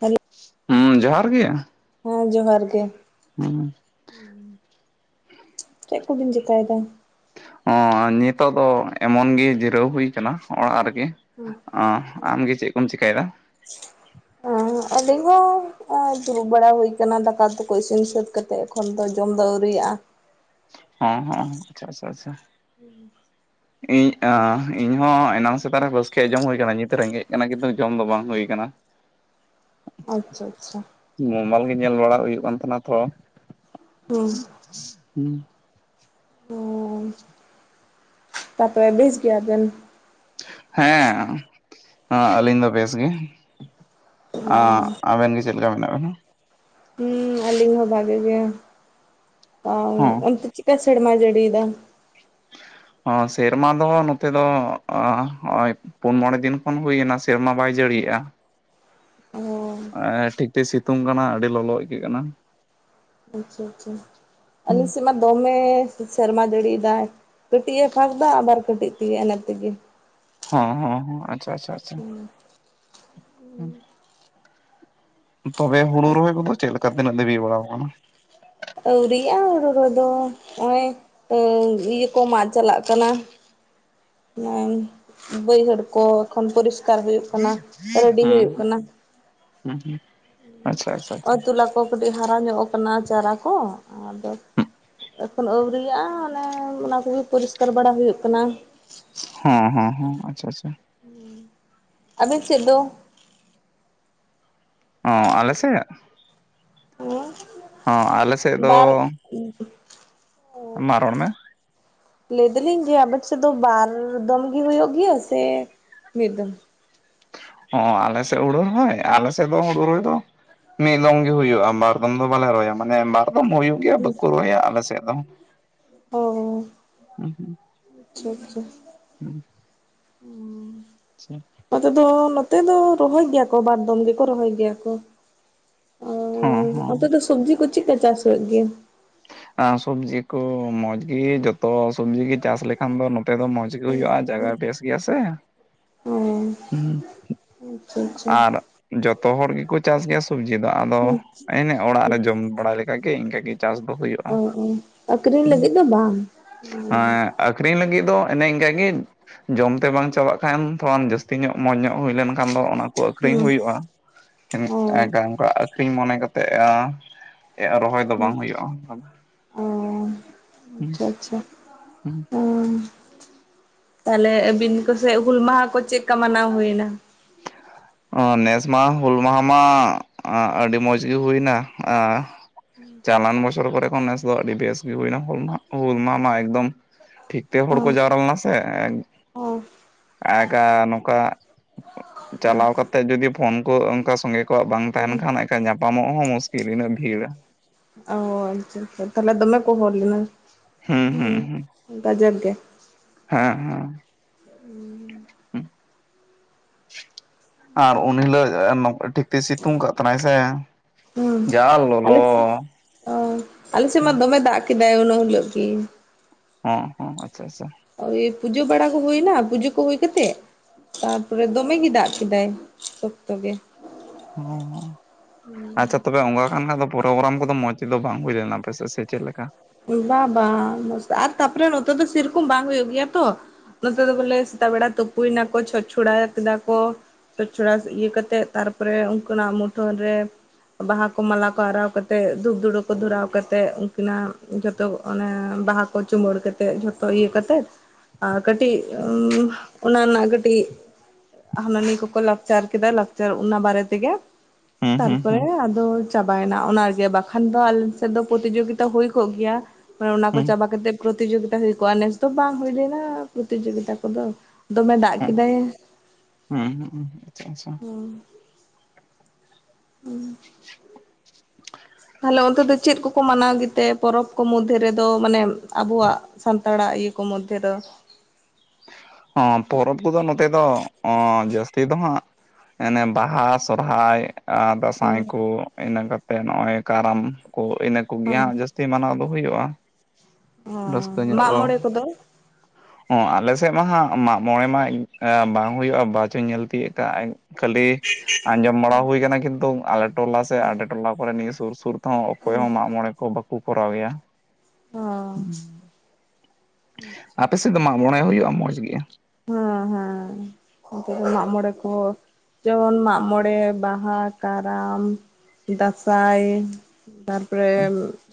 ᱦᱮᱞ ᱦᱩᱸ ᱡᱚᱦᱟᱨ ᱜᱮ ᱦᱮᱸ ᱡᱚᱦᱟᱨ ᱜᱮ ᱦᱩᱸ ᱪᱮᱫ ᱠᱚᱵᱤᱱ ᱪᱮᱠᱟᱭ ᱫᱟ ᱚᱸ ᱱᱤᱛᱚᱜ ᱫᱚ ᱮᱢᱚᱱ ᱜᱮ ᱡᱤᱨᱟᱹᱣ ᱦᱩᱭ ᱠᱟᱱᱟ ᱚᱲᱟᱜ ᱨᱮᱜᱮ ᱚᱸ ᱟᱢᱜᱮ ᱪᱮᱜ ᱠᱚᱢ ᱪᱮᱠᱟᱭᱫᱟ ᱚᱸ ᱟᱹᱞᱤᱧ ᱦᱚᱸ ᱫᱩᱲᱩᱵ ᱵᱟᱲᱟ ᱦᱩᱭ ᱠᱟᱱᱟ ᱫᱟᱠᱟ ᱩᱛᱩ ᱠᱚ ᱤᱥᱤᱱ ᱥᱟᱹᱛ ᱠᱟᱛᱮ ᱛᱮ ᱮᱠᱷᱚᱱ ᱫᱚ ᱡᱚᱢ ᱫᱚ ᱟᱹᱣᱨᱤᱭᱟᱜᱼᱟ ᱦᱸ ᱦᱸ ᱟᱪᱪᱷᱟ ᱟᱪᱪᱷᱟ ᱟᱪᱪᱷᱟ [inaudible] ᱤᱧ ᱟᱺ ᱤᱧᱦᱚᱸ ᱮᱱᱟᱝ ᱥᱮᱛᱟᱜ ᱨᱮ ᱵᱟᱹᱥᱠᱮᱭᱟᱜ ᱡᱚᱢ ᱦᱩᱭ ᱟᱠᱟᱱᱟ ᱱᱤᱛ ᱨᱮᱸᱜᱮᱡ ᱠᱟᱱᱟ ᱠᱤᱱᱛᱩ ᱡᱚᱢ ᱫᱚ ᱵᱟᱝ ᱦᱩᱭ ᱠᱟᱱᱟ ᱟᱪᱪᱷᱟ ᱟᱪᱪᱷᱟ ᱢᱳᱵᱟᱞ ᱜᱮ ᱧᱮᱞ ᱵᱟᱲᱟ ᱦᱩᱭᱩᱜ ᱠᱟᱱ ᱛᱟᱸᱦᱮᱱᱟ ᱛᱷᱚ ᱦᱩᱸ [unintelligible] ᱚ ᱛᱟᱯᱚᱨᱮ ᱵᱮᱥ ᱜᱮᱭᱟ ᱵᱮᱱ ᱦᱮᱸ ᱟᱹ ᱟᱹᱞᱤᱧ ᱫᱚ ᱵᱮᱥ ᱜᱮ ᱟᱸᱼᱟᱵᱮᱱ ᱜᱮ ᱪᱮᱫ ᱞᱮᱠᱟ ᱢᱮᱱᱟᱜ ᱵᱤᱱᱟ ᱦᱮᱸ ᱟᱹᱞᱤᱧ ᱦᱚᱸ ᱵᱷᱟᱜᱤ ᱜᱮ ᱚᱸ ᱦᱚᱸ ᱚᱱᱛᱮ ᱪᱮᱜᱠᱟ ᱥᱮᱨᱢᱟᱭ ᱡᱟᱹᱲᱤᱭᱮᱫᱟ ᱚᱸ ᱥᱮᱨᱢᱟ ᱫᱚ ᱱᱚᱛᱮ ᱫᱚ ᱟᱺ ᱯᱩᱱ ᱢᱚᱬᱮ ᱫᱤᱱ ᱠᱷᱚᱱ ᱦᱩᱭᱮᱱᱟ ᱥᱮᱨᱢᱟ ᱵᱟᱭ ᱡᱟᱹᱲᱤᱭᱮᱜᱼᱟ ᱚ ᱟᱸᱹ ᱴᱷᱤᱠ ᱴᱷᱤ ᱥᱤᱛᱩᱝ ᱠᱟᱱᱟ ᱟᱹᱰᱤ ᱞᱚᱞᱚ ᱟᱹᱭᱠᱟᱹᱜ ᱠᱟᱱᱟ ᱟᱪᱪᱷᱟ ᱟᱪᱪᱷᱟ ᱟᱹᱞᱤ ᱦᱩᱸ ᱥᱮᱫ ᱢᱟ ᱫᱚᱢᱮ ᱥᱮᱨᱢᱟ ᱡᱟᱹᱲᱤᱭᱮᱫᱟᱭ ᱠᱟᱹᱴᱤᱜᱼᱮ ᱯᱷᱟᱸᱠ ᱫᱟ ᱟᱵᱟᱨ ᱠᱟᱹᱴᱤᱡ ᱛᱮᱜᱮ ᱮᱱᱮᱜ ᱛᱮᱜᱮ ᱦᱟᱸ ᱦᱚᱸ ᱦᱚᱸ ᱟᱪᱪᱷᱟ ᱟᱪᱪᱷᱟ ᱟᱪᱪᱷᱟ ᱦᱩᱸ ᱛᱚᱵᱮ ᱦᱩᱲᱩ ᱨᱚᱦᱚᱭ ᱠᱚᱫᱚ ᱪᱮᱫ ᱞᱮᱠᱟ ᱛᱤᱱᱟᱹᱜ ᱫᱷᱟᱹᱵᱤᱜ ᱵᱟᱲᱟᱣ ᱠᱟᱱᱟ ᱟᱹᱣᱨᱤᱜᱼᱟ ᱦᱩᱲᱩ ᱨᱚᱭ ᱫᱚ ᱚᱸᱭ ᱚ ᱤᱭᱟᱹ ᱠᱚ ᱢᱟᱜ ᱪᱟᱞᱟᱜ ᱠᱟᱱᱟ [unintelligible] ᱵᱟᱹᱭᱦᱟᱹᱲ ᱠᱚ ᱮᱠᱷᱚᱱ ᱯᱚᱨᱤᱥᱠᱟᱨ ᱦᱩᱭᱩᱜ ᱠᱟᱱᱟ ᱨᱮᱰᱤ ᱦᱩᱭᱩᱜ ᱦᱩᱸ ᱠᱟᱱᱟ ᱦᱩᱸ ᱦᱩᱸ ᱟᱪᱪᱷᱟ ᱟᱪᱪᱷᱟ ᱟᱪᱪᱷᱟ ᱚᱸ ᱛᱩᱞᱟ ᱠᱚ ᱠᱟᱹᱴᱤᱡ ᱦᱟᱨᱟ ᱧᱚᱜ ᱟᱠᱟᱱᱟ ᱪᱟᱨᱟ ᱠᱚ ᱟᱫᱚ ᱮᱠᱷᱚᱱ ᱟᱹᱣᱨᱤᱭᱟᱜᱼᱟ ᱚᱱᱮ ᱚᱱᱟ ᱠᱚᱜᱮ ᱯᱚᱨᱤᱥᱠᱟᱨ ᱵᱟᱲᱟ ᱦᱩᱭᱩᱜ ᱠᱟᱱᱟ ᱦᱮᱸ ᱦᱮᱸ ᱦᱮᱸ ᱟᱪᱪᱷᱟ ᱟᱪᱪᱷᱟ ᱟᱵᱮᱱ ᱥᱮᱫ ᱫᱚ ᱚ ᱟᱞᱮ ᱥᱮᱜ ᱟᱞᱮ ᱥᱮᱫ ᱦᱮᱸ ᱫᱚ ᱵᱟᱨ ᱢᱟ ᱨᱚᱲ ᱢᱮ ᱞᱟᱹᱭ ᱫᱟᱹᱞᱤᱧ ᱡᱮ ᱟᱵᱮᱱ ᱥᱮᱫ ᱫᱚ ᱵᱟᱨ ᱫᱚᱢ ᱜᱮ ᱦᱩᱭᱩᱜ ᱜᱮᱭᱟ ᱥᱮ ᱢᱤᱫᱫᱚᱢ ᱦᱚᱸ ᱟᱞᱮ ᱥᱮᱫ ᱦᱩᱲᱩ ᱨᱚᱦᱚᱭ ᱟᱞᱮ ᱥᱮᱫ ᱫᱚ ᱦᱩᱲᱩ ᱨᱚᱭ ᱫᱚ ᱢᱤᱜ ᱫᱚᱢ ᱜᱮ ᱦᱩᱭᱩᱜᱜᱮᱭᱟ ᱵᱟᱨ ᱫᱚᱢ ᱫᱚ ᱵᱟᱞᱮ ᱨᱚᱦᱚᱭᱟ ᱢᱟᱱᱮ ᱵᱟᱨ ᱫᱚᱢ ᱦᱩᱭᱩᱜ ᱜᱮᱭᱟ ᱵᱟᱠᱚ ᱨᱚᱦᱚᱭᱟ ᱟᱞᱮᱥᱮᱫ ᱫᱚ ᱚ ᱟᱪᱪᱷᱟ ᱟᱪᱪᱷᱟ [inaudible] ᱦᱩᱸ ᱟᱪᱪᱷᱟ ᱱᱚᱛᱮ ᱫᱚ ᱱᱚᱛᱮ ᱫᱚ ᱨᱚᱦᱚᱭ ᱜᱮᱭᱟ ᱠᱚ ᱵᱟᱨ ᱫᱚᱢ ᱜᱮᱠᱚ ᱨᱚᱦᱚᱭ ᱜᱮᱭᱟ ᱠᱚ ᱚ ᱦᱚᱸ ᱦᱚᱸ ᱚᱱᱛᱮ ᱫᱚ ᱥᱚᱵᱡᱤ ᱠᱚ ᱪᱮᱫᱠᱟ ᱪᱟᱥ ᱦᱳᱭᱳᱜ ᱜᱮᱭᱟ ᱥᱚᱵᱡᱤ ᱠᱚ ᱢᱚᱡᱽ ᱜᱮ ᱡᱚᱛᱚ ᱥᱚᱵᱡᱤ ᱜᱮ ᱪᱟᱥ ᱞᱮᱠᱷᱟᱱ ᱫᱚ ᱱᱚᱛᱮᱫ ᱫᱚ ᱢᱚᱸᱡᱽ ᱜᱮ ᱦᱩᱭᱩᱜᱼᱟ ᱡᱟᱭᱜᱟ ᱵᱮᱥ ᱜᱮᱭᱟ ᱥᱮ ᱚ ᱦᱩᱸ ᱟᱪᱪᱷᱟ ᱟᱪᱪᱷᱟ ᱟᱨ ᱡᱚᱛᱚ ᱦᱚᱲ ᱜᱮᱠᱚ ᱪᱟᱥ ᱜᱮᱭᱟ ᱥᱚᱵᱡᱤ ᱫᱚ ᱟᱫᱚ ᱦᱩᱸ ᱮᱱᱮ ᱚᱲᱟᱜ ᱨᱮ ᱡᱚᱢ ᱵᱟᱲᱟ ᱞᱮᱠᱟᱜᱮ ᱤᱱᱠᱟᱹ ᱜᱮ ᱚ ᱚ ᱟᱹᱠᱷᱨᱤᱧ ᱞᱟᱹᱜᱤᱫ ᱫᱚ ᱵᱟᱝ ᱦᱮᱸ ᱟᱹᱠᱷᱨᱤᱧ ᱞᱟᱹᱜᱤᱫ ᱫᱚ ᱮᱱᱮ ᱤᱱᱠᱟ ᱜᱮ ᱡᱚᱢᱛᱮ ᱵᱟᱝ ᱪᱟᱵᱟᱜ ᱠᱷᱟᱱ ᱛᱷᱚᱲᱟᱱ ᱡᱟᱹᱥᱛᱤ ᱛᱤ ᱧᱚᱜ ᱢᱚᱸᱡᱽ ᱧᱚᱜ ᱦᱩᱭ ᱞᱮᱱᱠᱷᱟᱱ ᱫᱚ ᱚᱱᱟ ᱠᱚ ᱟᱠᱷᱨᱤᱧ ᱦᱩᱭᱩᱜᱼᱟ ᱚ ᱟᱠᱷᱨᱤᱧ ᱢᱚᱱᱮ ᱠᱟᱛᱮᱜ ᱟ ᱨᱚᱦᱚᱭ ᱫᱚ ᱵᱟᱝ ᱦᱩᱭᱩᱜᱼᱟ [inaudible] ᱚ ᱟᱪᱪᱷᱟ ᱟᱪᱪᱷᱟ ᱚ ᱛᱟᱦᱚᱞᱮ ᱟᱹᱵᱤᱱ ᱠᱚᱥᱮ ᱦᱩᱞ ᱢᱟᱦᱟ ᱠᱚ ᱪᱮᱫ ᱞᱮᱠᱟ ᱢᱟᱱᱟᱣ ᱦᱩᱭᱮᱱᱟ ᱱᱮᱥ ᱢᱟᱦᱟ ᱦᱩᱞ ᱢᱟᱦᱟ ᱢᱟ ᱟᱹᱰᱤ ᱢᱚᱡᱽ ᱜᱮ ᱦᱩᱭᱱᱟ ᱟ ᱪᱟᱞᱟᱱ ᱵᱚᱪᱚᱨ ᱠᱚᱨᱮᱠᱷᱚᱱ ᱱᱮᱥ [inaudible] ᱟᱹᱰᱤ ᱵᱮᱥ ᱜᱮ ᱦᱩᱭᱱᱟ ᱦᱩᱞ ᱢᱟ ᱦᱩᱞ ᱢᱟ ᱢᱟ ᱮᱠᱫᱚᱢ ᱴᱷᱤᱠ ᱛᱮ ᱦᱚᱲ ᱠᱚ ᱦᱚᱸ ᱡᱟᱣᱨᱟ ᱞᱮᱱᱟ ᱦᱚᱸ [inaudible] ᱟᱜᱟ ᱱᱚᱝᱠᱟ ᱪᱟᱞᱟᱣ ᱠᱟᱛᱮ ᱡᱩᱫᱤ ᱯᱷᱳᱱ ᱠᱚ ᱚᱱᱠᱟ ᱥᱚᱸᱜᱮ ᱠᱚᱣᱟᱜ ᱵᱟᱝ ᱛᱟᱦᱮᱱ ᱠᱷᱟᱱ ᱧᱟᱯᱟᱢᱚᱜ ᱦᱚᱸ ᱢᱩᱥᱠᱤᱞ ᱩᱱᱟᱹᱜ ᱵᱷᱤᱲ ᱚ ᱟᱪᱪᱷᱟ ᱟᱪᱪᱷᱟ ᱛᱟᱦᱚᱞᱮ ᱫᱚᱢ ᱠᱚ ᱦᱚᱲ ᱞᱮᱱᱟ ᱦᱩᱸ ᱦ ᱦᱩᱸ ᱦᱩᱸ ᱜᱟᱡᱟᱠ ᱜᱮ ᱦᱮᱸ ᱦᱮᱸ ᱟᱨ ᱩᱱ ᱦᱤᱞᱳᱜ ᱴᱷᱤᱠ ᱛᱮ ᱥᱤᱛᱩᱝ ᱠᱟᱜ ᱛᱟᱱᱟᱭ ᱥᱮ ᱦᱩᱸ ᱡᱟ ᱟᱞᱮ ᱥ ᱞᱚᱞᱚ ᱚ ᱟᱞᱮ ᱥᱮᱫ ᱢᱟ ᱫᱚᱢᱮ ᱫᱟᱜ ᱫᱟᱭ ᱱᱚᱦᱩᱞ ᱠᱤ [unintelligible] ᱦᱚᱸ ᱦᱚᱸ ᱟᱪᱪᱷᱟ ᱟᱪᱪᱷᱟ ᱳᱭ ᱯᱩᱡᱟᱹ ᱵᱟᱲᱟ ᱠᱚ ᱦᱩᱭᱱᱟ ᱯᱩᱡᱟᱹ ᱠᱚ ᱦᱩᱭ ᱠᱟᱛᱮᱫ ᱛᱟᱨᱯᱚᱨᱮ ᱫᱚᱢᱮᱜᱮᱭ ᱫᱟᱜ ᱠᱮᱫᱟᱭ ᱥᱚᱠᱛᱚ ᱜᱮ ᱦᱩᱸᱦᱩᱸ ᱟᱪᱪᱷᱟ ᱛᱚᱵᱮ ᱚᱱᱠᱟ ᱠᱟᱱ ᱠᱷᱟᱱ ᱫᱚ ᱯᱨᱳᱜᱨᱟᱢ ᱠᱚᱫᱚ ᱢᱚᱡᱽ ᱛᱮᱫᱚ ᱵᱟᱝ ᱦᱩᱭ ᱞᱮᱱᱟ ᱯᱮᱥᱮ ᱥᱮ ᱪᱮᱫ ᱞᱮᱠᱟ ᱵᱟᱝ ᱵᱟᱝ [inaudible] ᱟᱨ ᱛᱟᱯᱚᱨᱮ ᱱᱚᱛᱮ ᱫᱚ ᱥᱮᱨᱚᱠᱚᱢ ᱵᱟᱝ ᱦᱩᱭᱩᱜ ᱜᱮᱭᱟ ᱛᱚ ᱱᱚᱛᱮ ᱫᱚ ᱵᱚᱞᱮ ᱥᱮᱛᱟᱜ ᱵᱮᱲᱟ ᱛᱩᱯᱩᱭᱱᱟ ᱠᱚ ᱪᱷᱚᱪ ᱪᱷᱚᱲᱟ ᱠᱮᱫᱟ ᱠᱚ ᱪᱷᱚᱪ ᱪᱷᱚᱲᱟ ᱤᱭᱟᱹ ᱠᱟ ᱠᱟᱛᱮᱫ ᱛᱟᱨᱯᱚᱨᱮ ᱩᱱᱠᱤᱱᱟᱜ ᱢᱩᱴᱷᱟᱹᱱ ᱨᱮ ᱵᱟᱦᱟ ᱠᱚ ᱢᱟᱞᱟ ᱠᱚ ᱟᱨᱟᱣ ᱠᱟᱛᱮᱮᱫ ᱫᱷᱩᱯ ᱫᱷᱩᱲᱩ ᱠᱚ ᱫᱷᱚᱨᱟᱣ ᱠᱟᱛᱮᱜ ᱩᱱᱠᱤᱱᱟᱜ ᱡᱚᱛᱚ ᱚᱱᱮ ᱵᱟᱦᱟ ᱠᱚ ᱪᱩᱢᱟᱹᱟᱹᱲ ᱠᱟ ᱠᱟᱛᱮᱮᱫ ᱡᱷᱚᱛᱚ ᱤᱭᱟᱹ ᱠᱟᱛᱮᱫ ᱟᱨ ᱠᱟᱹᱴᱤᱡ ᱩ ᱚᱱᱟ ᱨᱮᱱᱟᱜ ᱠᱟᱹᱴᱤᱡ ᱦᱟᱱᱟᱹᱱᱤ ᱠᱚᱠᱚ ᱞᱟᱠᱪᱟᱨ ᱠᱮᱫᱟ ᱞᱟᱠᱪᱟᱨ ᱚᱱᱟ ᱵᱟᱨᱮ ᱛᱮᱜᱮ ᱦᱩᱸ ᱦᱩᱸ ᱛᱟᱨᱯᱚᱨᱮ ᱦᱩᱸ ᱟᱫᱚ ᱪᱟᱵᱟᱭᱮᱱᱟ ᱚᱱᱟᱜᱮ ᱵᱟᱠᱷᱟᱱ ᱫᱚ ᱟᱞ ᱥᱮᱫ ᱫᱚ ᱯᱨᱚᱛᱤᱡᱳᱜᱤᱛᱟ ᱦᱩᱭᱼᱟ ᱠᱚᱜ ᱜᱮᱭᱟ ᱢᱮ ᱚᱱᱟ ᱠᱚ ᱦᱩᱸ ᱪᱟᱵᱟ ᱠᱟᱛᱮ ᱯᱨᱚᱛᱤᱤᱡᱳᱜᱤᱛᱟ ᱦᱩᱭ ᱠᱚᱜᱼᱟ ᱱᱮᱥ ᱫᱚ ᱵᱟᱝ ᱦᱩᱭ ᱞᱮᱱᱟ ᱯᱨᱚᱛᱤᱡᱳᱜᱤᱛᱟ ᱠᱚᱫᱚ ᱫᱚᱢᱮ ᱫᱟᱜ ᱠᱮᱫᱟᱭ ᱦᱩᱸ ᱦᱩᱸ ᱦᱩᱸ ᱟᱪᱪᱷᱟ ᱟᱪᱪᱷᱟ ᱦᱮᱸ [unintelligible] ᱛᱟᱦᱚᱞᱮ ᱚᱱᱛᱮ ᱫᱚ ᱪᱮᱫ ᱠᱚᱠᱚ ᱢᱟᱱᱟᱣ ᱜᱮᱛᱮ ᱯᱚᱨᱚᱵᱽ ᱠᱚ ᱢᱚᱫᱽᱫᱷᱮ ᱨᱮᱫᱚ ᱢᱟᱱᱮ ᱟᱵᱚᱣᱟᱜ ᱥᱟᱱᱛᱟᱲᱟᱜ ᱤᱭᱟᱹ ᱠᱚ ᱢᱚᱫᱽᱫᱷᱮ ᱫᱚ ᱯᱚᱨᱚᱵᱽ ᱠᱚᱫᱚ ᱱᱚᱛᱮ ᱫᱚ ᱚᱸ ᱡᱟᱹᱥᱛᱤ ᱫᱚ ᱦᱟᱸᱜ ᱚᱱᱮ ᱵᱟᱦᱟ ᱥᱚᱨᱦᱟᱭ ᱟᱨ ᱦᱮᱸ ᱫᱟᱸᱥᱟᱭ ᱠᱚ ᱤᱱᱟᱹ ᱠᱟᱛᱮᱜ ᱱᱚᱜᱚᱭ ᱠᱟᱨᱟᱢ ᱠᱚ ᱤᱱᱟᱹ ᱠᱚᱜᱮ ᱦᱮᱸ ᱦᱟᱸᱜ ᱡᱟᱥᱛᱤ ᱢᱟᱱᱟᱣ ᱫᱚ ᱦᱩᱭᱩᱜᱼᱟ ᱨᱟᱹᱥᱠᱟᱹ ᱧᱚᱜ ᱢᱟᱜ ᱫᱚ ᱢᱚᱬᱮ ᱠᱚᱫᱚ ᱚ ᱟᱞᱮ ᱥᱮᱫ ᱢᱟ ᱦᱟᱸᱜ ᱢᱟᱜ ᱢᱚᱬᱮ ᱢᱟᱜ ᱵᱟᱝ ᱦᱩᱭᱩᱜᱼᱟ ᱵᱟ ᱪᱚᱧ ᱧᱮᱞ ᱛᱤᱭᱳᱜ ᱠᱟᱜᱼᱟ ᱠᱷᱟᱹᱞᱤ ᱟᱸᱡᱚᱢ ᱵᱟᱲᱟ ᱦᱩᱭ ᱠᱟᱱᱟ ᱠᱤᱱᱛᱩ ᱟᱞᱮ ᱴᱚᱞᱟ ᱥᱮ ᱟᱞᱮ ᱴᱚᱞᱟ ᱠᱚᱨᱮ ᱱᱤᱭᱟᱹ ᱥᱩᱨ ᱥᱩᱨ ᱚᱠᱚᱭ ᱦᱚᱸ ᱢᱟᱜ ᱢᱚᱬᱮ ᱠᱚ ᱵᱟᱠᱚ ᱠᱚᱨᱟᱣ ᱮᱭᱟ ᱚ ᱟᱯᱮ ᱥᱮᱫ ᱫᱚ ᱢᱟᱜ ᱢᱚᱬᱮ ᱦᱩᱭᱩᱜᱼᱟ ᱢᱚᱡᱽ ᱜᱮ ᱦᱮᱸ ᱦᱮᱸ ᱱᱛᱮ ᱫᱚ ᱢᱟᱜᱢᱚᱬᱮ ᱠᱚ ᱡᱮᱢᱚᱱ ᱢᱟᱜ ᱢᱚᱬᱮ ᱵᱟᱦᱟ ᱠᱟᱨᱟᱢ ᱫᱟᱸᱥᱟᱭ ᱛᱟᱨᱯᱚᱨᱮ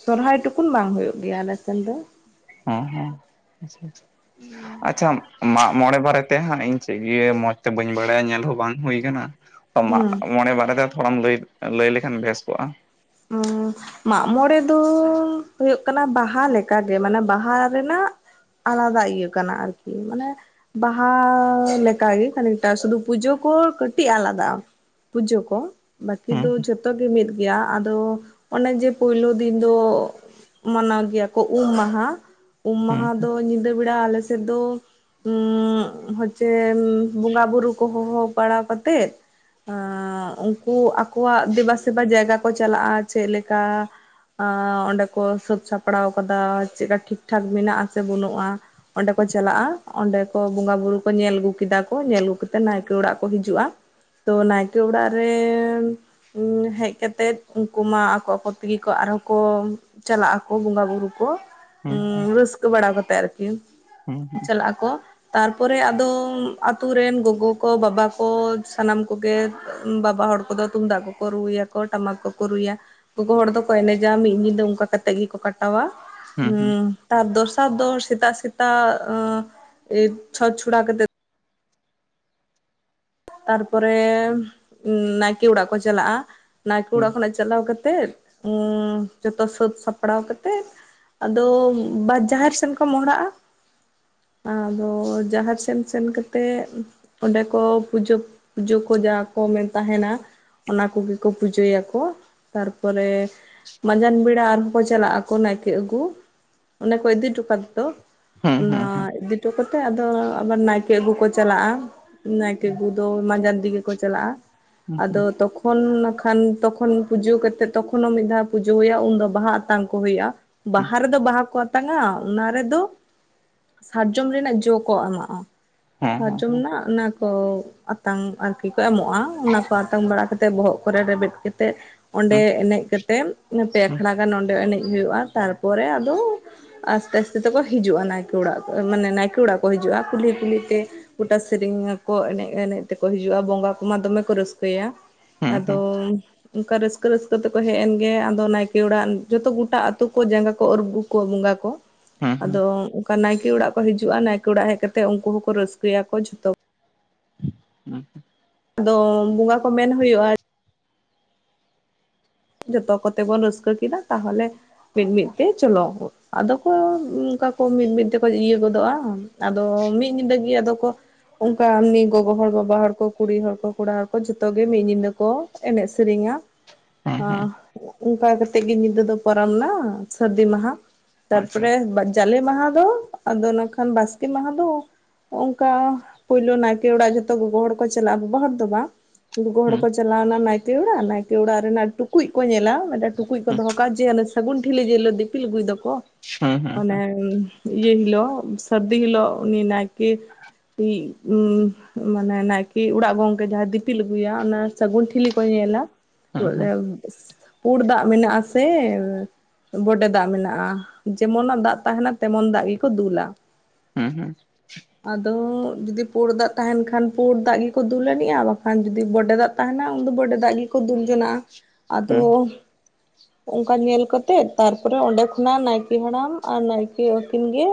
ᱥᱚᱨᱦᱟᱭ ᱴᱩᱠᱩᱩᱱ ᱵᱟᱝ ᱦᱩᱭᱩᱜ ᱜᱮᱭᱟ ᱟᱞᱮᱥᱱ ᱫᱚ ᱦᱚᱸ ᱦᱚᱸ ᱟᱪᱪᱷᱟ ᱢᱚᱬᱮ ᱵᱟᱨᱮ ᱛᱮ ᱦᱟᱸᱜ ᱤᱧ ᱪᱮᱫ ᱜᱮ ᱢᱚᱸᱡᱽ ᱛᱮ ᱵᱟᱹᱧ ᱵᱟᱲᱟᱭᱟ ᱧᱮᱞ ᱦᱚᱸ ᱵᱟᱝ ᱦᱩᱭ ᱟᱠᱟᱱᱟᱜ ᱦᱩᱸ ᱢᱚᱬᱮ ᱵᱟᱨᱮᱛᱮ ᱛᱷᱚᱲᱟᱢ ᱞᱟᱹᱭ ᱞᱟᱹᱭ ᱞᱮᱠᱷᱟᱱ ᱵᱮᱥ ᱠᱚᱜᱼᱟ ᱦᱩᱸ ᱢᱟᱜᱢᱚᱲᱮ ᱫᱚ ᱦᱩᱭᱩᱜ ᱠᱟᱱᱟ ᱵᱟᱦᱟ ᱞᱮᱠᱟᱜᱮ ᱢᱟᱱᱮ ᱵᱟᱦᱟ ᱨᱮᱱᱟᱜ ᱟᱞᱟᱫᱟ ᱤᱭᱟᱹ ᱠᱟᱱᱟ ᱟᱨᱠᱤ ᱢᱟᱱᱮ ᱵᱟᱦᱟ ᱞᱮᱠᱟᱜᱮ ᱠᱷᱟᱱᱤᱠᱴᱟ ᱥᱩᱫᱩ ᱯᱩᱡᱳ ᱠᱚ ᱠᱟᱹᱴᱤᱡ ᱟᱞᱟᱫᱟ-ᱟ ᱯᱩᱡᱳ ᱠᱚ ᱵᱟᱹᱠᱤ ᱦᱩᱸ ᱫᱚ ᱡᱷᱚᱛᱚ ᱜᱮ ᱢᱤᱫ ᱜᱮᱭᱟ ᱟᱫᱚ ᱚᱱᱮ ᱡᱮ ᱯᱳᱭᱞᱳ ᱫᱤᱱ ᱫᱚ ᱢᱟᱱᱟᱣ ᱜᱮᱭᱟ ᱠᱚ ᱩᱢ ᱢᱟᱦᱟ ᱩᱢ ᱦᱩᱸ ᱢᱟᱦᱟ ᱫᱚ ᱧᱤᱫᱟᱹ ᱵᱮᱲᱟ ᱟᱞᱮ ᱥᱮᱫ ᱫᱚ ᱦᱚᱪᱪᱷᱮ ᱵᱚᱸᱜᱟ ᱵᱩᱨᱩ ᱠᱚ ᱦᱚᱦᱚ ᱵᱟᱲᱟ ᱠᱟᱛᱮᱜ ᱮ ᱩᱱᱠᱩ ᱟᱠᱚᱣᱟᱜ ᱫᱮᱵᱟ ᱥᱮᱵᱟ ᱡᱟᱭᱜᱟ ᱠᱚ ᱪᱟᱞᱟᱜᱼᱟ ᱪᱮᱫ ᱞᱮᱠᱟ ᱚᱸᱰᱮ ᱠᱚ ᱥᱟᱹᱛ ᱥᱟᱯᱲᱟᱣ ᱠᱟᱫᱟ ᱪᱮᱫᱠᱟ ᱴᱷᱤᱠᱴᱷᱟᱠ ᱢᱮᱱᱟᱜ ᱟᱥᱮ ᱵᱟᱹᱱᱩᱜᱼᱟ ᱚᱸᱰᱮ ᱠᱚ ᱪᱟᱞᱟᱜᱼᱟ ᱚᱸᱰᱮ ᱠᱚ ᱵᱚᱸᱜᱟ ᱵᱩᱨᱩ ᱠᱚ ᱧᱮᱞ ᱟᱹᱜᱩ ᱠᱮᱫᱟ ᱠᱚ ᱧᱮᱞ ᱟᱹᱜ ᱠᱟᱛᱮ ᱱᱟᱭᱠᱮ ᱚᱲᱟᱜ ᱠᱚ ᱦᱤᱡᱩᱜᱼᱟ ᱛᱚ ᱱᱟᱭᱠᱮ ᱚᱲᱟᱜ ᱨᱮ ᱦᱮᱡ ᱠᱟᱛᱮᱜ ᱛᱮᱫ ᱩᱱᱠᱩ ᱢᱟ ᱟᱠᱚ ᱟᱠᱚ ᱛᱮᱜᱮ ᱠᱚ ᱟᱨᱦᱚᱸ ᱠᱚ ᱪᱟᱞᱟᱜ ᱟᱠᱚ ᱵᱚᱸᱜᱟ ᱵᱩᱨᱩ ᱠᱚ ᱦᱩᱸ ᱨᱟᱹᱥᱠᱟᱹ ᱵᱟᱲᱟ ᱠᱟᱛᱮᱜ ᱟᱨᱠᱤ ᱦᱩᱸ ᱦᱩᱸ ᱪᱟᱞᱟᱜ ᱟᱠᱚ ᱛᱟᱨᱯᱚᱨᱮ ᱟᱫᱚ ᱟᱛᱳ ᱨᱮᱱ ᱜᱚᱜᱚ ᱠᱚ ᱵᱟᱵᱟ ᱠᱚ ᱥᱟᱱᱟᱢ ᱠᱚᱜᱮ ᱵᱟᱵᱟ ᱦᱚᱲ ᱛᱩᱢ ᱫᱟᱜ ᱠᱚ ᱠᱚ ᱨᱩᱭᱟ ᱠᱚ ᱴᱟᱢᱟᱠ ᱠᱚᱠᱚ ᱨᱩᱭᱟ ᱜᱚᱜᱚ ᱦᱚᱲ ᱫᱚᱠᱚ ᱮᱱᱮᱡᱟ ᱢᱤᱫ ᱧᱤᱫᱟᱹ ᱚᱱᱠᱟ ᱠᱟᱛᱮᱜ ᱜᱮᱠᱚ ᱠᱟᱴᱟ ᱟ ᱦᱩᱸ ᱛᱟᱨ ᱫᱚᱥᱟᱨ ᱫᱚ ᱥᱮᱛᱟᱜ ᱥᱮᱛᱟᱜ ᱪᱷᱚᱸᱪ ᱪᱷᱚᱲᱟ ᱠᱟᱛᱮᱜ ᱛᱟᱨᱯᱚᱨᱮ ᱱᱟᱭᱠᱮ ᱚᱲᱟᱜ ᱠᱚ ᱪᱟᱞᱟᱜᱼᱟ ᱱᱟᱭᱠᱮ ᱚᱲᱟᱜ ᱠᱷᱚᱱᱟᱜ ᱪᱟᱞᱟᱣ ᱠᱟᱛᱮᱮᱫ ᱡᱚᱛᱚ ᱥᱟᱹᱛ ᱥᱟᱯᱲᱟᱣ ᱠᱟᱛᱮᱫ ᱟᱫᱚ ᱵᱟᱫᱽ ᱡᱟᱦᱮᱨ ᱥᱮᱱ ᱠᱚ ᱢᱚᱦᱲᱟᱜᱼᱟ ᱟᱫᱚ ᱡᱟᱦᱮᱨ ᱥᱮᱱ ᱥᱮᱱ ᱠᱟᱛᱮ ᱚᱸᱰᱮ ᱠᱚ ᱯᱩᱡᱳ ᱯᱩᱡᱳ ᱠᱚ ᱡᱟᱦᱟᱸᱟ ᱠᱚ ᱢᱮᱱ ᱛᱟᱦᱮᱱᱟ ᱚᱱᱟ ᱠᱚᱜᱮ ᱠᱚ ᱯᱩᱡᱟᱹᱭᱟᱠᱚ ᱛᱟᱨᱯᱚᱨᱮ ᱢᱟᱸᱡᱟᱱ ᱵᱮᱲᱟ ᱟᱨᱦᱚᱸ ᱠᱚ ᱪᱟᱞᱟᱜ ᱟᱠᱚ ᱱᱟᱭᱠᱮ ᱟᱹᱜᱩ ᱚᱱᱮ ᱠᱚ ᱤᱫᱤ ᱦᱚᱴᱚ ᱠᱟᱫᱮ ᱫᱚ ᱦᱩᱸ ᱚᱱᱟ ᱦᱩᱸ ᱦᱩᱸ ᱤᱫᱤ ᱦᱚᱴᱚ ᱠᱟᱛᱮᱜ ᱟᱫᱚ ᱟᱵᱟᱨ ᱱᱟᱭᱠᱮ ᱟᱹᱜᱩ ᱠᱚ ᱪᱟᱞᱟᱜᱼᱟ ᱱᱟ ᱫᱚ ᱢᱟᱡᱟᱱ ᱫᱤᱜᱮ ᱠᱚ ᱦᱩᱸ ᱦᱩᱸ ᱪᱟᱞᱟᱜᱼᱟ ᱦᱩᱸ ᱛᱚᱠᱷᱚᱱ ᱱᱟᱠᱷᱟᱱ ᱛᱚᱠᱷᱚᱱ ᱯᱩᱡᱳ ᱠᱟᱛᱮᱫ ᱛᱚᱠᱷᱚᱱ ᱦᱚᱸ ᱢᱤᱫ ᱫᱷᱟᱣ ᱯᱩᱡᱳ ᱦᱩᱭᱩᱜᱼᱟ ᱩᱱᱫᱚ ᱵᱟᱦᱟ ᱟᱛᱟᱝ ᱠᱚ ᱦᱩᱭᱩᱜᱼᱟ ᱵᱟᱦᱟ ᱨᱮᱫᱚ ᱵᱟᱦᱟ ᱠᱚ ᱟᱛᱟᱝᱟ ᱚᱱᱟ ᱨᱮᱫᱚ ᱥᱟᱨᱡᱚᱢ ᱨᱮᱱᱟᱜ ᱡᱚ ᱠᱚ ᱮᱢᱟᱜᱼᱟ ᱦᱮᱸ ᱦᱮᱸ ᱥᱟᱨᱡᱚᱢ ᱦᱮᱸ ᱨᱮᱱᱟᱜ ᱚᱱᱟ ᱠᱚ ᱟᱛᱟᱝ ᱟᱨᱠᱤ ᱠᱚ ᱮᱢᱚᱜᱼᱟ ᱚᱱᱟ ᱠᱚ ᱟᱛᱟᱝ ᱵᱟᱲᱟ ᱠᱟᱛᱮᱫ ᱵᱚᱦᱚᱜ ᱠᱚᱨᱮ ᱨᱮᱵᱮᱫ ᱠᱟᱛᱮᱫ ᱚᱸᱰᱮ ᱮᱱᱮᱡ ᱠᱟᱛᱮᱜ ᱯᱮ ᱟᱠᱷᱲᱟ ᱜᱟᱱ ᱚᱸᱰᱮ ᱮᱱᱮᱡ ᱦᱩᱭᱩᱜᱼᱟ ᱛᱟᱨᱯᱚᱨᱮ ᱟᱫᱚ ᱟᱥᱛᱮ ᱟᱥᱛᱮ ᱛᱮᱠᱚ ᱦᱤᱡᱩᱜᱼᱟ ᱱᱟᱭᱠᱮ ᱚᱲᱟᱜ ᱢᱟᱱᱮ ᱱᱟᱭᱠᱮ ᱚᱲᱟᱜ ᱠᱚ ᱦᱤᱡᱩᱜᱼᱟ ᱠᱩᱞᱦᱤ ᱠᱩᱞᱦᱤ ᱛᱮ ᱠᱚᱴᱟ ᱥᱮᱨᱮᱧ ᱠᱚ ᱮᱱᱮᱡ ᱮᱱᱮᱡ ᱛᱮᱠᱚ ᱦᱤᱡᱩᱜᱼᱟ ᱵᱚᱸᱜᱟ ᱠᱚᱢᱟ ᱫᱚᱢᱮ ᱠᱚ ᱨᱟᱹᱥᱠᱟᱹᱭᱟ ᱦᱩᱸ ᱦᱩᱸ ᱦᱩᱸ ᱦᱩᱸ ᱟᱫᱚ ᱚᱱᱠᱟ ᱨᱟᱹᱥᱠᱟᱹ ᱨᱟᱹᱥᱠᱟᱹ ᱛᱮᱠᱚ ᱦᱮᱡ ᱮᱱ ᱜᱮ ᱟᱫᱚ ᱱᱟᱭᱠᱮ ᱚᱲᱟᱜ ᱡᱚᱛᱚ ᱜᱚᱴᱟ ᱟᱛᱩ ᱠᱚ ᱡᱟᱸᱜᱟ ᱠᱚ ᱩᱨᱜᱩ ᱠᱩᱣᱟᱜ ᱵᱚᱸᱜᱟ ᱠᱚ ᱦᱩᱸ ᱟᱫᱚ ᱦᱩᱸ ᱚᱱᱠᱟ ᱱᱟᱭᱠᱮ ᱚᱲᱟᱜ ᱠᱚ ᱦᱤᱡᱩᱜᱼᱟ ᱱᱟᱭᱠᱮ ᱚᱲᱟᱜ ᱦᱮᱡ ᱠᱟᱛᱮ ᱩᱱᱠᱩ ᱦᱚᱸᱠᱚ ᱨᱟᱹᱥᱠᱟᱹᱭᱟ ᱠᱚ ᱡᱷᱚᱛᱚ ᱠᱚ ᱦᱩᱸ ᱟᱫᱚ ᱵᱚᱸᱜᱟ ᱠᱚ ᱢᱮᱱ ᱦᱩᱭᱩᱜᱼᱟ ᱡᱚᱛᱚ ᱠᱚᱛᱮ ᱵᱚᱱ ᱨᱟᱹᱥᱠᱟᱹ ᱠᱮᱫᱟ ᱛᱟᱦᱚᱞᱮ ᱢᱤᱫ ᱢᱤᱫ ᱛᱮ ᱪᱚᱞᱚ ᱟᱫᱚ ᱠᱚ ᱚᱱᱠᱟ ᱠᱚ ᱢᱤᱫ ᱢᱤᱫ ᱛᱮᱠᱚ ᱤᱭᱟᱹ ᱜᱚᱫᱚᱜᱼᱟ ᱟᱫᱚ ᱢᱤᱫ ᱧᱤᱫᱟᱹ ᱜᱮ ᱟᱫᱚ ᱠᱚ ᱚᱱᱠᱟ ᱮᱢᱱᱤ ᱜᱚᱜᱚ ᱦᱚᱲ ᱵᱟᱵᱟ ᱦᱚᱲ ᱠᱚ ᱠᱩᱲᱤ ᱦᱚᱲ ᱠᱚ ᱠᱚᱲᱟ ᱦᱚᱲ ᱠᱚ ᱡᱚᱛᱚ ᱜᱮ ᱢᱤᱫ ᱧᱤᱫᱟᱹ ᱠᱚ ᱮᱱᱮᱡ ᱥᱮᱨᱮᱧᱟ ᱦᱩᱸ ᱦᱩᱸ ᱚᱱᱠᱟ ᱠᱟᱛᱮᱜ ᱜᱮ ᱧᱤᱫᱟᱹ ᱫᱚ ᱯᱟᱨᱚᱢᱱᱟ ᱥᱟᱹᱨᱫᱤ ᱢᱟᱦᱟ ᱟᱪᱪᱷᱟ ᱛᱟᱨᱯᱚᱨᱮ ᱡᱟᱞᱮ ᱢᱟᱦᱟ ᱫᱚ ᱟᱫᱚ ᱠᱷᱟᱱ ᱵᱟᱥᱠᱮ ᱢᱟᱦᱟ ᱫᱚ ᱚᱱᱠᱟ ᱯᱩᱭᱞᱳ ᱱᱟᱭᱠᱮ ᱚᱲᱟᱜ ᱡᱷᱚᱛᱚ ᱜᱚᱜᱚ ᱦᱚᱲ ᱠᱚ ᱪᱟᱞᱟᱜᱼᱟ ᱵᱟᱵᱟ ᱦᱚᱲ ᱫᱚ ᱵᱟᱝ ᱜᱩᱜᱚ ᱦᱚᱲ ᱦᱩᱸ ᱠᱚ ᱪᱟᱞᱟᱣ ᱮᱱᱟ ᱱᱟᱭᱠᱮ ᱚᱲᱟᱜ ᱱᱟᱭᱠᱮ ᱚᱲᱟᱜ ᱨᱮᱱᱟᱜ ᱴᱩᱠᱩᱡ ᱠᱚ ᱧᱮᱞᱟ ᱢᱤᱫᱴᱮᱡ ᱴᱩᱠᱩᱡ ᱠᱚ ᱫᱚᱦᱚ ᱠᱟᱜᱼᱟ ᱥᱟᱹᱜᱩᱱ ᱴᱷᱤᱞᱤ ᱡᱮᱦᱤᱞᱚᱜ ᱫᱤᱯᱤᱞ ᱟᱜᱩᱭ ᱫᱚᱠᱚ ᱦᱩᱸ ᱢᱟᱱᱮ ᱦᱩᱸ ᱤᱭᱟᱹ ᱦᱤᱞᱳᱜ ᱥᱟᱹᱨᱫᱤ ᱦᱤᱞᱳᱜ ᱩᱱᱤ ᱱᱟᱭᱠᱮ ᱢᱟᱱᱮ ᱱᱟᱭᱠᱮ ᱚᱲᱟᱜ ᱜᱚᱝᱠᱮ ᱡᱟᱦᱟᱸᱭ ᱫᱤᱯᱤᱞ ᱟᱹᱜᱩᱭᱟ ᱚᱱᱟ ᱥᱟᱹᱜᱩᱱ ᱴᱷᱤᱞᱤ ᱠᱚ ᱧᱮᱞᱟ ᱦᱩᱸ ᱦᱩᱸ ᱯᱩᱲ ᱫᱟᱜ ᱢᱮᱱᱟᱜ ᱟᱥᱮ ᱵᱚᱰᱮ ᱫᱟᱜ ᱢᱮᱱᱟᱜᱼᱟ ᱡᱮᱢᱚᱱ ᱱᱟᱜ ᱫᱟᱜ ᱛᱟᱦᱮᱱᱟ ᱛᱮᱢᱚᱱ ᱫᱟᱜ ᱜᱮᱠᱚ ᱫᱩᱞᱟ ᱦᱩᱸ ᱦᱩᱸ ᱟᱫᱚ ᱡᱩᱫᱤ ᱯᱩᱲ ᱫᱟᱜ ᱛᱟᱦᱮᱱ ᱠᱷᱟᱱ ᱯᱩᱲ ᱫᱟᱜ ᱜᱮᱠᱚ ᱫᱩᱞ ᱟᱱᱤᱜᱼᱟ ᱵᱟᱠᱷᱟᱱ ᱡᱩᱫᱤ ᱵᱚᱰᱮ ᱫᱟᱜ ᱛᱟᱦᱮᱱᱟ ᱩᱱ ᱫᱚ ᱵᱚᱰᱮ ᱫᱟᱜ ᱜᱮᱠᱚ ᱫᱩᱞ ᱡᱚᱱᱟᱜ ᱟᱫᱚ ᱦᱩᱸ ᱦᱩᱸ ᱚᱱᱠᱟ ᱧᱮᱞ ᱠᱟᱛᱮᱜ ᱛᱟᱨᱯᱚᱨᱮ ᱚᱸᱰᱮ ᱠᱷᱚᱱᱟᱜ ᱱᱟᱭᱠᱮ ᱦᱟᱲᱟᱢ ᱟᱨ ᱱᱟᱭᱠᱮ ᱟᱹᱠᱤᱱ ᱜᱮ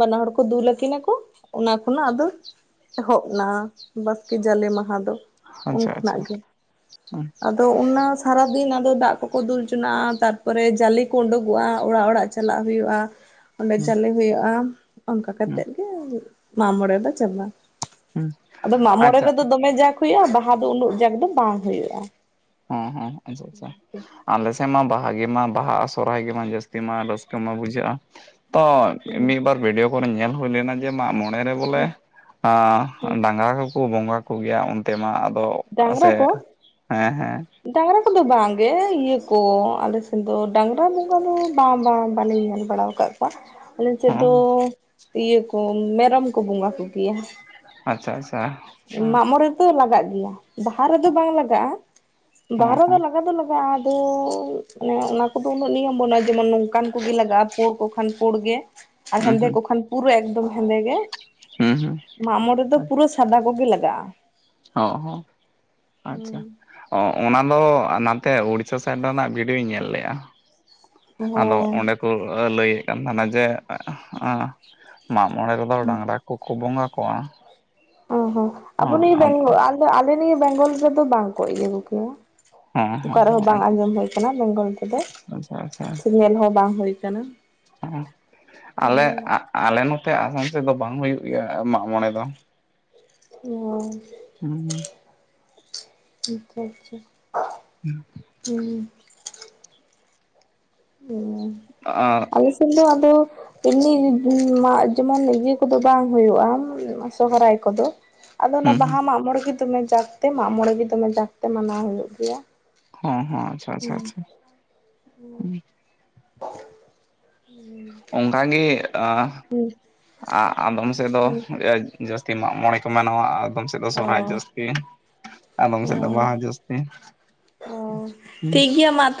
ᱵᱟᱱᱟ ᱦᱚᱲ ᱠᱚ ᱫᱩᱞᱠᱤᱱᱟ ᱠᱚ ᱚᱱᱟ ᱠᱷᱚᱱᱟᱜ ᱟᱫᱚ ᱮᱦᱚᱵ ᱱᱟ ᱵᱟᱥᱠᱮ ᱡᱟᱞᱮ ᱢᱟᱦᱟ ᱫᱚ ᱩᱱ ᱟᱪᱪᱷᱟ ᱟᱪᱪᱷᱟ ᱠᱷᱚᱱᱟᱜ ᱦᱩᱸ ᱥᱟᱨᱟ ᱫᱤᱱ ᱟᱫᱚ ᱫᱟᱜ ᱠᱚᱠᱚ ᱫᱩᱞ ᱦᱚᱪᱚᱱᱟᱜᱼᱟ ᱛᱟᱨᱯᱚᱨᱮ ᱡᱟᱞᱮ ᱠᱚ ᱩᱰᱩᱠᱚᱜᱼᱟ ᱚᱲᱟᱜ ᱚᱲᱟᱜ ᱪᱟᱞᱟᱜ ᱦᱩᱭᱩᱜᱼᱟ ᱚᱸᱰᱮ ᱦᱩᱸ ᱡᱟᱞᱮ ᱦᱩᱭᱩᱜᱼᱟ ᱚᱱᱠᱟ ᱦᱩᱸ ᱦᱩᱸ ᱟᱪᱪᱷᱟ ᱦᱮᱸ ᱠᱟᱛᱮᱮᱫ ᱦᱮᱸ ᱜᱮ ᱢᱟᱜ ᱢᱚᱬᱮ ᱫᱚ ᱪᱟᱵᱟ ᱟᱫᱚ ᱢᱟᱜᱢᱚᱬᱮ ᱨᱮᱫᱚ ᱫᱚᱢᱮ ᱡᱟᱠ ᱦᱩᱭᱩᱜᱼᱟ ᱵᱟᱦᱟ ᱫᱚ ᱩᱱᱟᱹᱜ ᱡᱟᱠ ᱫᱚ ᱵᱟᱝ ᱦᱩᱭᱩᱜᱼᱟ ᱦᱩᱸ ᱦᱩᱸ ᱟᱪᱪᱷᱟ ᱟᱪᱪᱷᱟ ᱟᱞᱮ ᱥᱮᱫ ᱢᱟ ᱵᱟᱦᱟᱜ ᱜᱮᱢᱟ ᱵᱟᱦᱟ ᱥᱚᱨᱦᱟᱭ ᱜᱮᱢᱟ ᱡᱟᱹᱥᱛᱤ ᱢᱟ ᱨᱟᱹᱥᱠᱟᱹ ᱢᱟ ᱵᱩᱡᱷᱟᱹᱜᱼᱟ ᱛᱚ ᱢᱤᱫᱵᱟᱨ ᱵᱷᱤᱰᱭᱳ ᱠᱚᱨᱮ ᱧᱮᱞ ᱦᱩᱭ ᱞᱮᱱᱟ ᱡᱮ ᱢᱟᱜ ᱢᱚᱬᱮ ᱨᱮ ᱵᱚᱞᱮ ᱰᱟᱝᱜᱟ ᱠᱚ ᱵᱚᱸᱜᱟ ᱠᱚᱜᱮᱭᱟ ᱚᱱᱛᱮ ᱢᱟ ᱟᱫᱚ ᱰᱟᱝᱨᱟ ᱥᱮ ᱠᱚ ᱦᱮᱸ ᱦᱮᱸ ᱰᱟᱝᱨᱟ ᱠᱚᱫᱚ ᱵᱟᱝᱜᱮ ᱤᱭᱟᱹ ᱠᱚ ᱟᱞᱮ ᱥᱮᱫ ᱫᱚ ᱰᱟᱝᱨᱟ ᱵᱚᱸᱜᱟ ᱫᱚ ᱵᱟᱝ ᱵᱟᱝ ᱵᱟᱞᱮ ᱧᱮᱞ ᱵᱟᱲᱟ ᱟᱠᱟᱫ ᱠᱚᱣᱟ ᱟᱞᱮ ᱥᱮᱫ ᱫᱚ ᱦᱚᱸ ᱤᱭᱟᱹ ᱠᱚ ᱢᱮᱨᱚᱢ ᱠᱚ ᱵᱚᱸᱜᱟ ᱠᱚᱜᱮᱭᱟ ᱟᱪᱪᱷᱟ ᱟᱪᱪᱷᱟ ᱢᱟᱜ ᱢᱚᱬᱮ ᱫᱚ ᱞᱟᱜᱟᱜ ᱜᱮᱭᱟ ᱵᱟᱦᱟ ᱨᱮᱫᱚ ᱵᱟᱝ ᱞᱟᱜᱟᱜᱼᱟ ᱵᱟᱦᱟ ᱦᱚᱸ ᱨᱮᱫᱚ ᱦᱚᱸ ᱞᱟᱜᱟ ᱫᱚ ᱞᱟᱜ ᱛᱚᱵᱮ ᱟᱫᱚ ᱢᱟᱱᱮ ᱚᱱᱟ ᱠᱚᱫᱚ ᱩᱱᱟᱹᱜ ᱱᱤᱭᱚᱢ ᱵᱟᱹᱱᱩᱜᱼᱟ ᱡᱮᱢᱚᱱ ᱱᱚᱝᱠᱟᱱ ᱠᱚᱜᱮ ᱞᱟᱜᱟᱜᱼᱟ ᱯᱩᱲᱠᱚ ᱠᱷᱟᱱ ᱯᱩᱲ ᱜᱮ ᱟᱨ ᱦᱩᱸ ᱦᱮᱸᱫᱮ ᱦᱩᱸ ᱠᱚ ᱠᱷᱟᱱ ᱯᱩᱨᱟᱹ ᱮᱠᱫᱚᱢ ᱦᱮᱸᱫᱮ ᱜᱮ ᱦᱩᱸ ᱦᱩᱸ ᱢᱟᱜᱢᱚᱨᱮ ᱫᱚ ᱯᱩᱨᱟᱹ ᱥᱟᱫᱟ ᱠᱚᱜᱮ ᱞᱟᱜᱟᱜᱼᱟ ᱦᱚ ᱦᱚᱸ ᱟᱪᱪᱷᱟ ᱚ ᱚᱱᱟ ᱫᱚ ᱱᱟᱛᱮ ᱩᱲᱤᱥᱥᱟ ᱥᱟᱭᱤᱰ ᱨᱮᱱᱟᱜ ᱵᱷᱤᱰᱭᱳᱧ ᱧᱮᱞ ᱞᱮᱫᱜᱼᱟ ᱟᱫᱚ ᱦᱚᱸ ᱚᱸᱰᱮ ᱠᱚ ᱞᱟᱹᱭᱮᱫ ᱠᱟᱱ ᱛᱟᱦᱮᱱᱟ ᱡᱮ ᱢᱟᱜ ᱢᱚᱬᱮ ᱨᱮᱫᱚ ᱰᱟᱝᱨᱟ ᱠᱚᱠᱚ ᱵᱚᱸᱜᱟ ᱠᱚᱣᱟ ᱚ ᱦᱚᱸ ᱟᱵᱚ ᱦᱚᱸ ᱱᱤᱭᱟᱹ ᱟᱫᱚ ᱵᱮᱜᱚᱞ ᱟᱞᱮ ᱱᱤᱭᱟᱹ ᱵᱮᱝᱜᱚᱞ ᱨᱮᱫᱚ ᱵᱟᱝᱠᱚ ᱤᱭᱟᱹ ᱠᱚᱜᱮᱭᱟ ᱦᱚᱸ ᱚᱠᱟ ᱦᱚᱸ ᱨᱮᱦᱚᱸ ᱦᱚᱸ ᱵᱟᱝ ᱟᱸᱡᱚᱢ ᱦᱩᱭ ᱟᱠᱟᱱᱟ ᱵᱮᱝᱜᱚᱞ ᱛᱮᱫᱚ ᱟᱪᱪᱷᱟ ᱟᱪᱪᱷᱟ ᱟᱪᱪᱷᱟ ᱥᱮ ᱧᱮᱞ ᱦᱚᱸ ᱵᱟᱝ ᱦᱩᱭ ᱟᱠᱟᱱᱟ ᱚ ᱟᱞᱮ ᱟᱞᱮ ᱱᱚᱛᱮ ᱟᱥᱟᱱ ᱥᱮᱫ ᱵᱟᱝ ᱦᱩᱭᱩᱜ ᱜᱮᱭᱟ ᱢᱟᱜ ᱢᱚᱬᱮ ᱫᱚ ᱚ ᱦᱩᱸ ᱟᱪᱪᱷᱟ ᱟᱪᱪᱷᱟ ᱦᱩᱸ ᱦᱩᱸ ᱚ [unintelligible] ᱟᱨ [unintelligible] ᱠᱤᱱᱛᱩ ᱟᱫᱚ ᱮᱢᱱᱤ ᱵᱟ ᱡᱮᱢᱚᱱ ᱤᱭᱟᱹ ᱠᱚᱫᱚ ᱵᱟᱝ ᱦᱩᱭᱩᱜᱼᱟ ᱥᱚᱦᱚᱨᱟᱭ ᱠᱚᱫᱚ ᱟᱫᱚ ᱚᱱᱟ ᱵᱟᱦᱟ ᱦᱩᱸ ᱢᱟᱜ ᱢᱚᱬᱮ ᱜᱮ ᱫᱚᱢᱮ ᱡᱟᱠ ᱛᱮ ᱢᱟᱜ ᱢᱚᱬᱮ ᱜᱮ ᱫᱚᱢᱮ ᱡᱟᱠ ᱛᱮ ᱢᱟᱱᱟᱣ ᱦᱩᱭᱩᱜ ᱜᱮᱭᱟ ᱦᱚᱸ ᱦᱚᱸ ᱟᱪᱪᱷᱟ ᱟᱪᱪᱷᱟ ᱟᱪᱪᱷᱟ ᱦᱩᱸ ᱚᱱᱠᱟᱜᱮ ᱟ ᱟ-ᱟᱫᱚᱢ ᱥᱮᱫ ᱫᱚ ᱡᱟᱹᱥᱛᱤ ᱢᱟᱜ ᱢᱚᱬᱮ ᱠᱚ ᱢᱱᱟᱣᱟ ᱟᱫᱚᱢ ᱥᱮᱫ ᱫᱚ ᱥᱚᱦᱨᱟᱭ ᱚ ᱡᱟᱹᱥᱛᱤ ᱟᱫᱚᱢ ᱥᱮᱫ ᱫᱚ ᱦᱮᱸ ᱵᱟᱦᱟ ᱡᱟᱹᱥᱛᱤ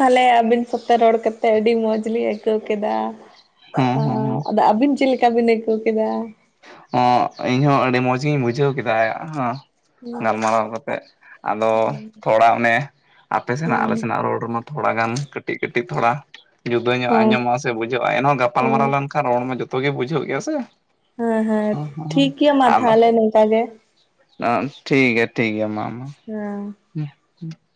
ᱛᱟᱞᱦᱮ ᱟᱹᱵᱤᱱ ᱥᱟᱶᱛᱮ ᱨᱚᱲ ᱠᱟᱛᱮᱫ ᱟᱹᱰᱤ ᱢᱚᱡᱽ ᱞᱤᱧ ᱟᱹᱭᱠᱟᱹᱣ ᱠᱮᱫᱟ ᱦᱮᱸ ᱚᱸ ᱦᱮᱸ ᱦᱮᱸ ᱟᱫᱚ ᱟᱹᱵᱤᱱ ᱪᱮᱫ ᱞᱮᱠᱟ ᱵᱤᱱ ᱟᱹᱭᱠᱟᱹᱣ ᱠᱮᱫᱟ ᱮᱸ ᱤᱧ ᱦᱚᱸ ᱟᱹᱰᱤ ᱢᱚᱡᱽ ᱜᱮᱤᱧ ᱵᱩᱡᱷᱟᱹᱣ ᱠᱮᱫᱟ ᱦᱚᱸ ᱜᱟᱞᱢᱟᱨᱟᱣ ᱠᱟᱛᱮ ᱟᱫᱚ ᱛᱷᱚᱲᱟ ᱚᱱᱮ ᱟᱯᱮ ᱥᱮᱱᱟᱜ ᱟᱞᱮ ᱦᱮᱸ ᱥᱮᱱᱟᱜ ᱨᱚᱲ ᱨᱮᱢᱟ ᱛᱷᱚᱲᱟ ᱜᱟᱱ ᱠᱟᱹᱴᱤᱡ ᱠᱟᱹᱴᱤᱡ ᱛᱷᱚᱲᱟ ᱡᱩᱫᱟᱹ ᱧᱚᱜ ᱦᱮᱸ ᱟᱸᱡᱚᱢᱚᱜᱼᱟ ᱥᱮ ᱵᱩᱡᱷᱟᱹᱜᱼᱟ ᱮᱱᱦᱚᱸ ᱜᱟᱯᱟᱞᱢᱟᱨᱟᱣ ᱞᱮᱱᱠᱷᱟᱱ ᱨᱚᱲ ᱢᱟ ᱡᱚᱛᱚ ᱜᱮ ᱵᱩᱡᱷᱟᱹᱣᱚᱜ ᱜᱮᱭᱟ ᱥᱮ ᱦᱮᱸ ᱦᱮᱸ ᱚ ᱦᱚᱸ ᱴᱷᱤᱠ ᱜᱮᱭᱟ ᱢᱟ ᱛᱟᱦᱞᱮ ᱱᱤᱝᱠᱟ ᱜᱮ ᱮᱸ ᱴᱷᱤᱠ ᱜᱮᱭᱟ ᱴᱷᱤᱠ ᱜᱮᱭᱟ ᱢᱟ ᱢᱟ ᱦᱮᱸ ᱦᱮᱸ ᱦᱩᱸ [unintelligible]